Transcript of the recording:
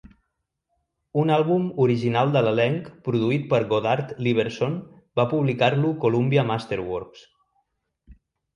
Un àlbum original de l'elenc produït per Goddard Lieberson va publicar-lo Columbia Masterworks.